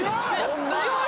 強い！